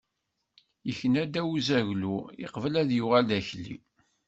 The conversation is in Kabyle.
Ikna ddaw n uzaglu, iqbel ad yuɣal d akli.